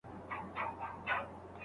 خورما ونې میلیونونو خلکو ته خواړه ورکوي.